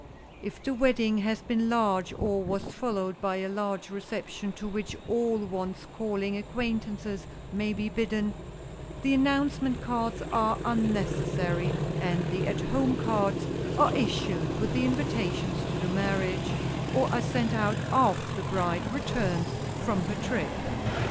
If the wedding has been large or was followed by a large reception to which all one's calling acquaintances may be bidden, the announcement cards are unnecessary and the "At Home" cards are issued with the invitations to the marriage, or are sent out after the bride returns from her trip.